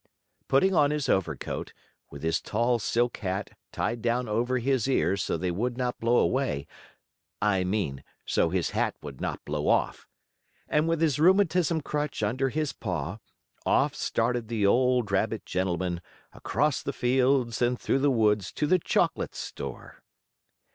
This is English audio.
Putting on his overcoat, with his tall silk hat tied down over his ears so they would not blow away I mean so his hat would not blow off and with his rheumatism crutch under his paw, off started the old gentleman rabbit, across the fields and through the woods to the chocolate store.